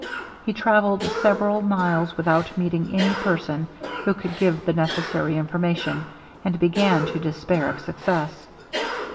He travelled several miles without meeting any person who could give the necessary information, and began to despair of success.